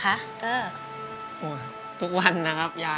อันดับนี้เป็นแบบนี้